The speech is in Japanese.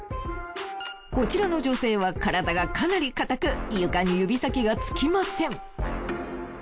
こちらの女性は体がかなり硬く床に指先がつきません。